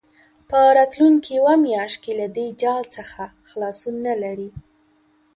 په راتلونکې یوه میاشت کې له دې جال څخه خلاصون نه لري.